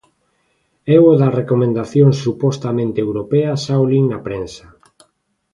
Eu o da recomendación supostamente europea xa o lin na prensa.